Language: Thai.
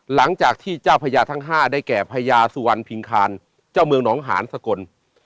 หลังจากที่เจ้าพญาทั้ง๕ได้แก่พญาสุวรรณพิงคารเจ้าเมืองหนองหานสกล